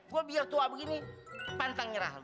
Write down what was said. gua biar tua begini pantang nyerah